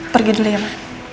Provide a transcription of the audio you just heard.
pergi dulu ya ma